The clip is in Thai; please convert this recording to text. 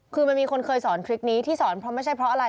คือมันมีคนเคยสอนคลิปนี้ที่สอนเพราะไม่ใช่เพราะอะไร